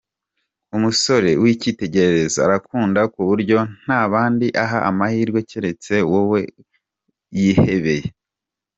Umusore w’icyitegererezo arakunda ku buryo nta bandi aha amahirwe keretse wowe yihebeye.